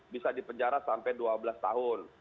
bisa di penjara sampai dua belas tahun